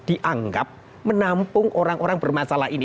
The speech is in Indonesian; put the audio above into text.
dianggap menampung orang orang bermasalah ini